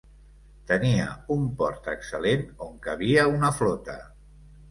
Tenia un port excel·lent on cabia una flota.